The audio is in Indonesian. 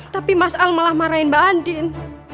tapi mas al malah marahin mbak andin